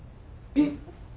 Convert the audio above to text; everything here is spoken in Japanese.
えっ？